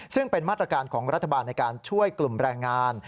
ซึ่งเป็นมาตรการของรัฐบาลในการช่วยกลุ่มแรงงาน